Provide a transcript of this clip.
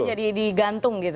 itu jadi digantung gitu